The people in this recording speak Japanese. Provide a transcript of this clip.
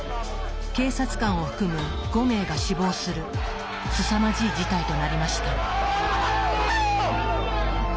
警察官を含む５名が死亡するすさまじい事態となりました。